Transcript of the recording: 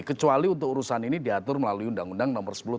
kecuali untuk urusan ini diatur melalui undang undang nomor sepuluh tahun ke depan